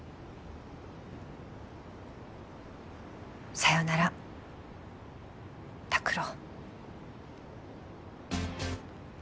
さよなら拓郎。